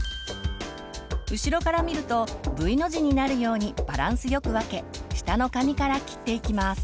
後ろからみるとＶの字になるようにバランスよく分け下の髪から切っていきます。